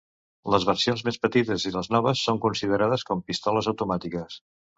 Les versions més petites i les més noves són considerades com pistoles automàtiques.